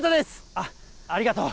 あっ、ありがとう。